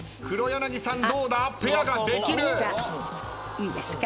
いいですか？